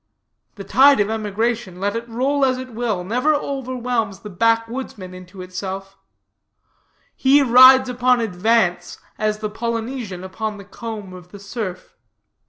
The tide of emigration, let it roll as it will, never overwhelms the backwoodsman into itself; he rides upon advance, as the Polynesian upon the comb of the surf.